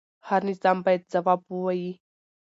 هر نظام باید ځواب ووایي